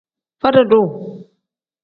Faadi-duu.